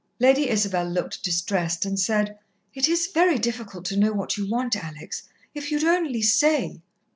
Lady Isabel looked distressed, and said, "It is very difficult to know what you want, Alex. If you'd only say!"